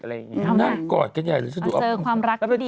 นางกอดช่างใหญ่